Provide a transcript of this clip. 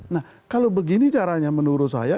nah kalau begini caranya menurut saya